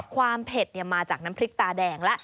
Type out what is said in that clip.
ความเผ็ดเนี่ยมาจากน้ำพริกตาแดงละ